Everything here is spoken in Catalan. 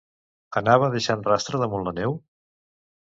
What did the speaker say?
Anava deixant rastre damunt la neu?